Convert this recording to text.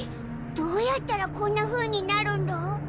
どうやったらこんなふうになるんだ？